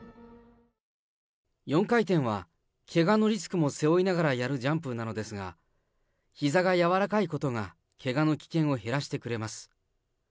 ４回転は、けがのリスクも背負いながらやるジャンプなのですが、ひざが柔らかいことが、けがの危険を減らしてくれます。